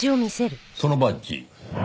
そのバッジ。